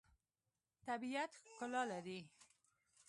طبیعت ښکلا لري.